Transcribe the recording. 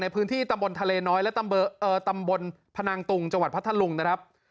พื้นที่ตำบลทะเลน้อยและตำบลพนังตุงจังหวัดพัทธลุงนะครับ